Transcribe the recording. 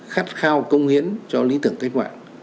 khát khao công hiến cho lý tưởng kết quả